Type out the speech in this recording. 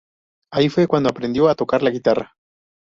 Ahí fue cuando aprendió a tocar la guitarra.